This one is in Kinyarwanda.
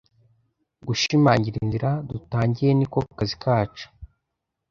Gushimangira inzira dutangiye niko kazi kacu